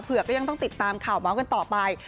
เผื่อก็ยังต้องติดตามข่าวมากกันต่อไป